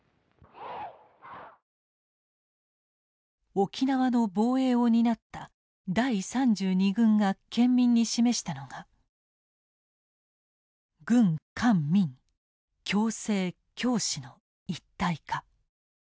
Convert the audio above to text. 沖縄の防衛を担った第３２軍が県民に示したのが「軍官民共生共死の一体化」。